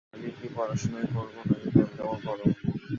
খালি কি পড়াশুনাই করো, নাকি প্রেম-টেমও করো?